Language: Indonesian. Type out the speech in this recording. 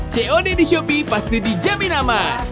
cod di shopee pasti dijamin aman